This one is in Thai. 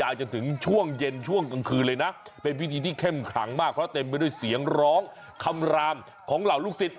จนถึงช่วงเย็นช่วงกลางคืนเลยนะเป็นพิธีที่เข้มขังมากเพราะเต็มไปด้วยเสียงร้องคำรามของเหล่าลูกศิษย